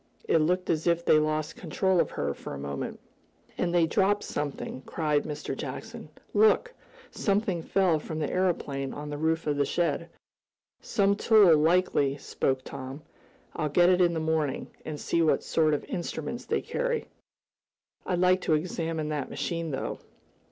"It looked as if they lost control of her for a moment." "And they dropped something!" cried Mr. Jackson. "Look! something fell from the aeroplane on the roof of the shed." "Some tool, likely," spoke Tom. "I'll get it in the morning, and see what sort of instruments they carry. I'd like to examine that machine, though."